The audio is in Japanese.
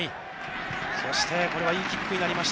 そして、これはいいキックになりました。